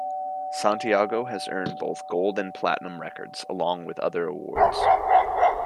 Santiago has earned both gold and platinum records, along with other awards.